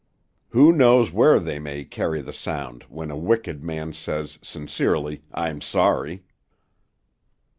Who knows where they may carry the sound when a wicked man says, sincerely, 'I'm sorry?'"